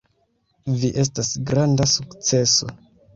Vi estas granda sukceso.